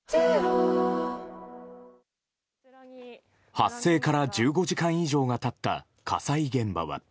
発生から１５時間以上が経った火災現場は。